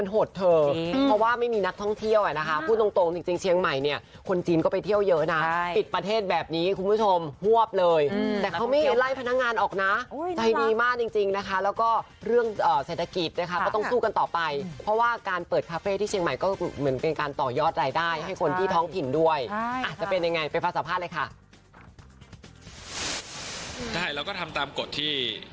หรอเรินเจอน้ำไปที่ร้านหน่อยตอนนี้ลูกค้าก็ยังมาปกติ